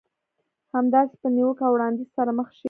همداسې په نيوکه او وړانديز سره مخ شئ.